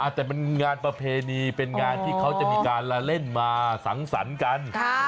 แต่มันงานประเพณีเป็นงานที่เขาจะมีการละเล่นมาสังสรรค์กัน